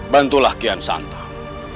bantulah kian santang